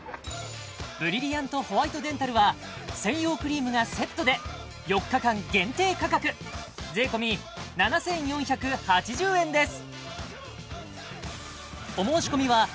ブリリアントホワイトデンタルは専用クリームがセットで４日間限定価格税込７４８０円です